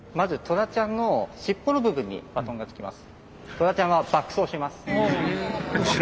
トラちゃんはバック走します。